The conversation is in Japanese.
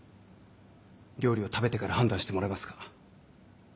料理を食べてから判断してもらえますか。